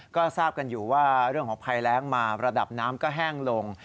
ก็ทราบกันอยู่ว่าเรื่องของภัยแรงมาระดับน้ำก็แห้งลง